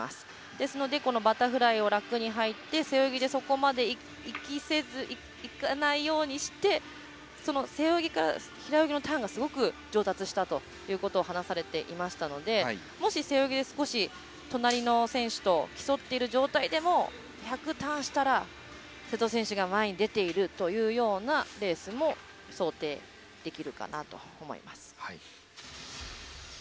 ですのでバタフライを楽に入って背泳ぎでそこまでいかないようにして背泳ぎから平泳ぎのターンがすごく上達したということを話されていましたのでもし、背泳ぎで少し隣の選手と競っている状態でも１００ターンしたら瀬戸選手が前に出ているというようなレースも想定できるかなと思います。